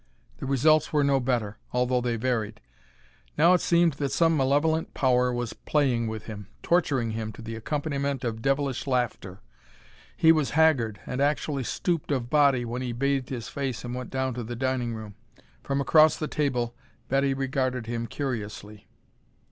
The results were no better, although they varied. Now it seemed that some malevolent power was playing with him, torturing him to the accompaniment of devilish laughter. He was haggard and actually stooped of body when he bathed his face and went down to the dining room. From across the table Betty regarded him curiously.